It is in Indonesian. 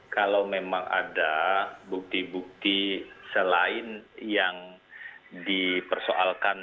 kalau memang ada bukti bukti selain yang dipersoalkan